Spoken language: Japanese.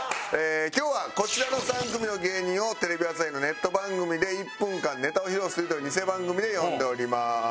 今日はこちらの３組の芸人をテレビ朝日のネット番組で１分間ネタを披露するというニセ番組で呼んでおります。